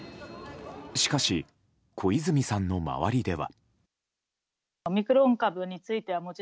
しかし、小泉さんの周りでは。